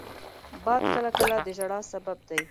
باد کله کله د ژړا سبب دی